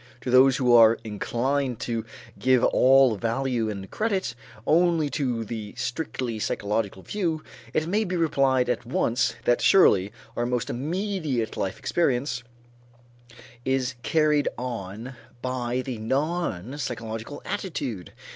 To those who are inclined to give all value and all credit only to the strictly psychological view, it may be replied at once that surely our most immediate life experience is carried on by the non psychological attitude.